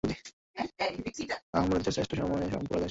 আহোম রাজ্যের শ্রেষ্ঠ সময়ে রংপুর রাজধানী ছিল।